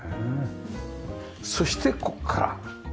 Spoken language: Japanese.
そしてここから。